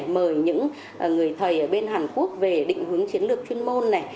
mời những người thầy ở bên hàn quốc về định hướng chiến lược chuyên môn này